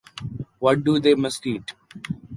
What do they must eat?